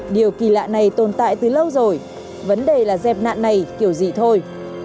điều kỳ lạ này tồn tại từ lâu rồi vấn đề là dẹp nạn này kiểu gì thôi